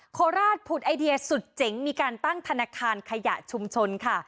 โคราชผุดไอเดียสุดเจ๋งมีการตั้งธนาคารขยะชุมชนค่ะ